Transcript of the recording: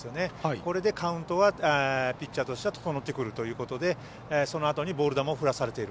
ここで、ピッチャーとしては整ってくるということでそのあとにボール球を振らされている